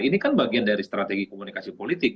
ini kan bagian dari strategi komunikasi politik